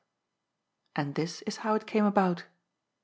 And this is how it came about.